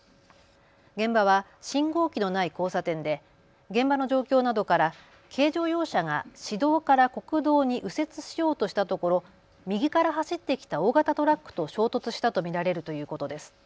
現場は信号機のない交差点で現場の状況などから軽乗用車が市道から国道に右折しようとしたところ、右から走ってきた大型トラックと衝突したと見られるということです。